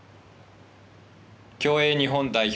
競泳日本代表